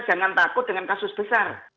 jangan takut dengan kasus besar